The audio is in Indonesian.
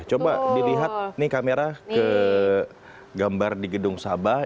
coba dilihat nih kamera ke gambar di gedung sabah